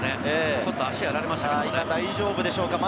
ちょっと足をやられましたか？